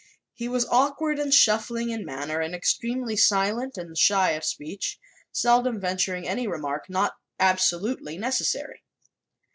He was awkward and shuffling in manner and extremely silent and shy of speech, seldom venturing any remark not absolutely necessary.